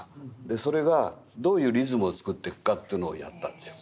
それがどういうリズムを作っていくかというのをやったんですよ。